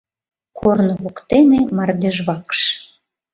КОРНО ВОКТЕНЕ МАРДЕЖВАКШ